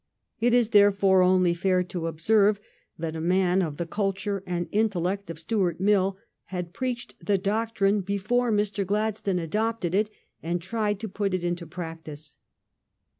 It is, therefore, only fair to observe that a man of the culture and intellect of Stuart Mill had preached the doctrine before Mr. Gladstone adopted it, and tried to put it into practice.